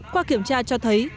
qua kiểm tra cho thấy